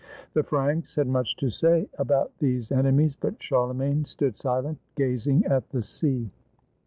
The Franks had much to say about these enemies, but Charlemagne stood silent, gazing at the sea.